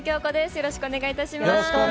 よろしくお願いします。